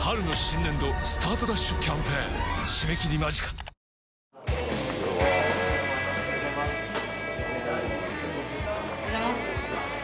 このあと、おはようございます。